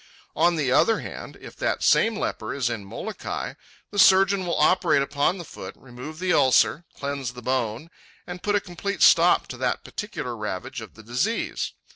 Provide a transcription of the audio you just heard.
On the other hand, if that same leper is in Molokai, the surgeon will operate upon the foot, remove the ulcer, cleanse the bone, and put a complete stop to that particular ravage of the disease.